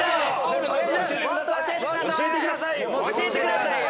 「教えてくださいよ」